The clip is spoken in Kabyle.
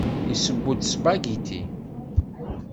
Yesseww-d aspagiti.